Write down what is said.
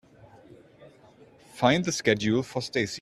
Find the schedule for Stacey.